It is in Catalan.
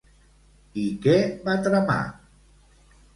I què va tramar?